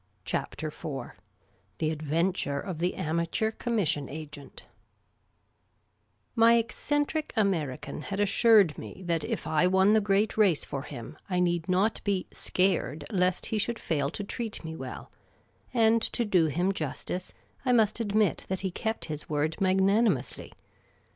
CHAPTER IV THK ADVENTURE OF THE AMATEUR COMMISSION AGENT MY eccentric American had assured nie that if I won the great race for him I need not be " scared " lest he should fail to treat me well ; and, to do him justice, I must admit that he kept his word magnanimously.